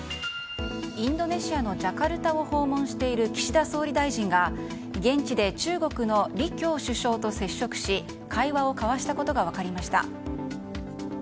インドネシアのジャカルタを訪問している岸田総理大臣が現地で中国の李強首相と接触し会話を交わしたことが分かりました。